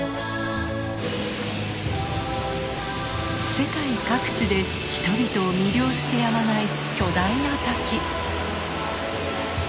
世界各地で人々を魅了してやまない巨大な滝。